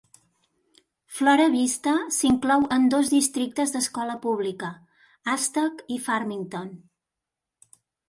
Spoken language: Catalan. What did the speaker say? Flora Vista s'inclou en dos districtes d'escola pública: Aztec i Farmington.